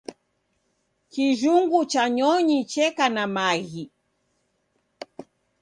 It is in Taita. Kijhungu cha nyonyi cheka na maghi